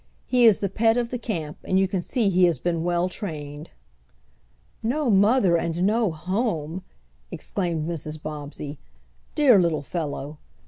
He is the pet of the camp, and you can see he has been well trained." "No mother and no home!" exclaimed Mrs. Bobbsey. "Dear little fellow!